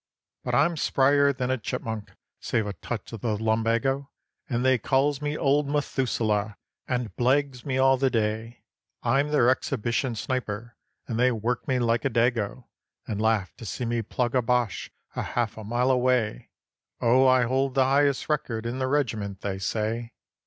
But I'm sprier than a chipmunk, save a touch of the lumbago, And they calls me Old Methoosalah, and 'blagues' me all the day. I'm their exhibition sniper, and they work me like a Dago, And laugh to see me plug a Boche a half a mile away. Oh I hold the highest record in the regiment, they say.